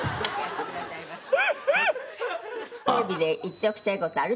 テレビで言っておきたい事ある？